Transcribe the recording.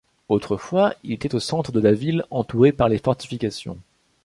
Autrefois, il était au centre la ville, entourée par les fortifications.